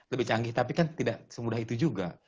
lebih canggih tapi kan tidak semudah itu juga